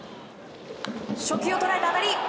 初球を捉えた当たり。